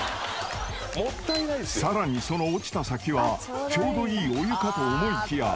［さらにその落ちた先はちょうどいいお湯かと思いきや］